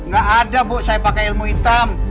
gak ada bu saya pakai ilmu hitam